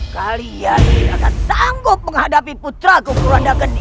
kalian tidak akan sanggup menghadapi putra kukuranda geni